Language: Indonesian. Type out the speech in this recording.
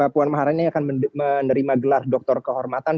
puan maharani akan menerima gelar doktor kehormatan